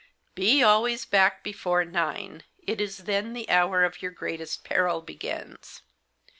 ' Be always back before nine. It is then the hour of your greatest peril begins.